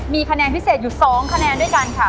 มีคะแนนพิเศษอยู่๒คะแนนด้วยกันค่ะ